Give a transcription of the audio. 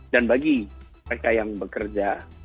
dan bagi mereka yang bekerja